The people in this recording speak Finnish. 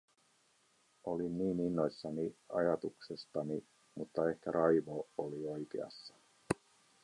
Olin niin innoissani ajatuksestani, mutta ehkä Raivo oli oikeassa.